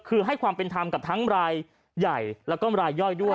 คือให้ความเป็นธรรมกับทั้งรายใหญ่แล้วก็รายย่อยด้วย